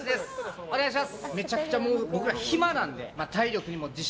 お願いします！